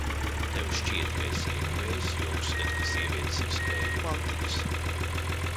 Tev šķiet, ka esi ieguvējs, jo uzskati, ka sievietes ir spēļu mantiņas?